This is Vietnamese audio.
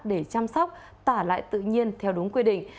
để chăm sóc tả lại tự nhiên theo đúng quy định